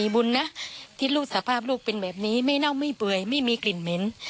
แบบนี้ไม่เน่าไม่เปื่อยไม่มีกลิ่นเหม็น